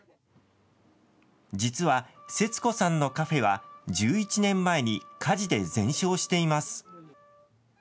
実は節子さんのカフェは１１年前に火事で全焼しています。